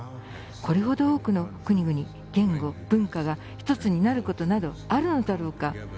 これほど多くの国々言語、文化が１つになることなどあるのだろうか？